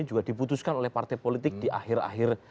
juga diputuskan oleh partai politik di akhir akhir